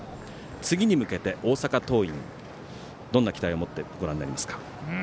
次に向けて大阪桐蔭どんな期待を持ってご覧になりますか？